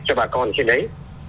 cho bà con trên đấy